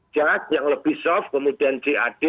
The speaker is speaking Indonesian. jad yang lebih soft kemudian jad